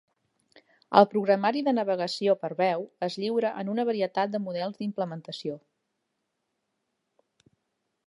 El programari de navegació per veu es lliura en una varietat de models d'implementació.